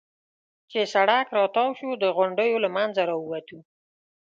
چې سړک را تاو شو، د غونډیو له منځه را ووتو.